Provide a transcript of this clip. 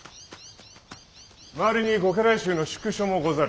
周りにご家来衆の宿所もござる。